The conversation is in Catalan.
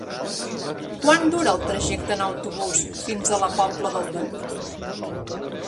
Quant dura el trajecte en autobús fins a la Pobla del Duc?